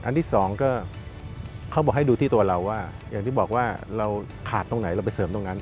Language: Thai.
ที่สองก็เขาบอกให้ดูที่ตัวเราว่าอย่างที่บอกว่าเราขาดตรงไหนเราไปเสริมตรงนั้น